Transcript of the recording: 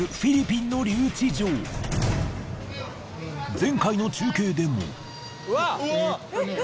前回の中継でも。